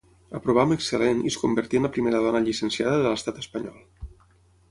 Aprovà amb excel·lent i es convertí en la primera dona llicenciada de l'Estat espanyol.